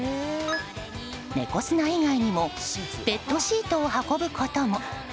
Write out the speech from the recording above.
猫砂以外にもペットシートを運ぶことも。